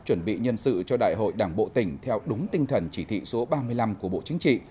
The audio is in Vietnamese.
chuẩn bị nhân sự cho đại hội đảng bộ tỉnh theo đúng tinh thần chỉ thị số ba mươi năm của bộ chính trị